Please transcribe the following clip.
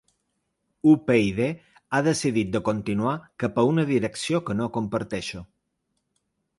UPyD ha decidit de continuar cap a una direcció que no comparteixo.